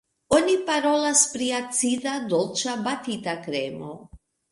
Oni parolas pri acida, dolĉa, batita kremo.